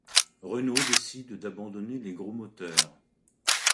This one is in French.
Renault décide d’abandonner les gros moteurs.